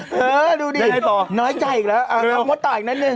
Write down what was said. เฮ้อดูดิน้อยใจอีกแล้วคำว่าต่ออีกนัดนึง